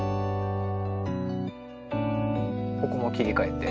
ここも切り替えて。